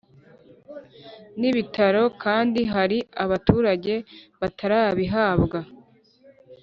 N ibitaro kandi hari abaturage batarabihabwa